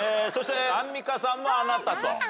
そしてアンミカさんも「あなた」と。